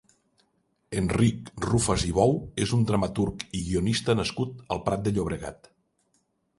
Enric Rufas i Bou és un dramaturg i guionista nascut al Prat de Llobregat.